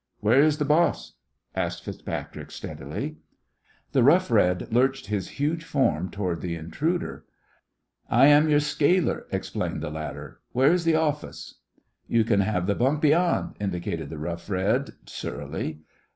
"Where is the boss?" asked FitzPatrick, steadily. The Rough Red lurched his huge form toward the intruder. "I am your scaler," explained the latter. "Where is the office?" "You can have the bunk beyand," indicated the Rough Red, surlily.